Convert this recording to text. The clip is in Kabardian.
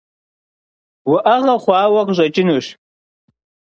УӀэгъэ хъуауэ къыщӀэкӀынущ.